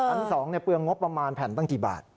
อันสองเนี่ยเปลืองงบประมาณแผ่นตั้งกี่บาท